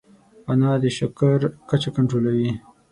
انار د شکر کچه کنټرولوي.